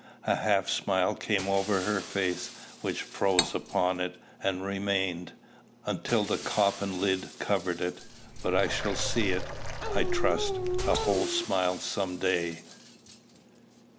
A half smile came over her face, which froze upon it, and remained, until the coffin lid covered it. But I shall see it, I trust, a whole smile some day.